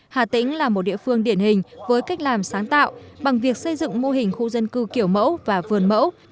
hà tĩnh là một địa phương điển hình với cách làm sáng tạo bằng việc xây dựng mô hình khu dân cư kiểu mẫu và vườn mẫu